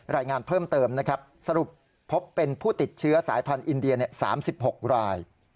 รายงานเพิ่มเติมนะครับสรุปพบเป็นผู้ติดเชื้อสายพันธุ์อินเดีย๓๖ราย